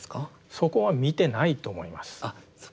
そこは見てないと思います。